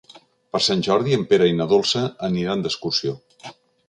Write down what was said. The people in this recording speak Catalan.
Per Sant Jordi en Pere i na Dolça aniran d'excursió.